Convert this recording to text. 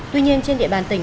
tuy nhiên trên địa bàn tỉnh